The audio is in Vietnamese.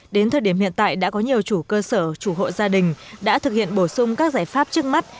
đến thời điểm hiện tại đã có nhiều chủ cơ sở chủ hộ gia đình đã thực hiện bổ sung các giải pháp trước mắt